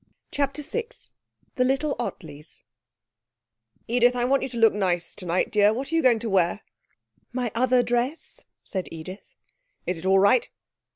CHAPTER VI The Little Ottleys 'Edith, I want you to look nice tonight, dear; what are you going to wear?' 'My Other Dress,' said Edith. 'Is it all right?'